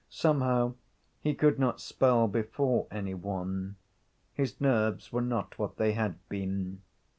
Somehow he could not spell before any one his nerves were not what they had been.